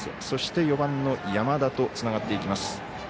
そして、４番の山田とつながっていきます。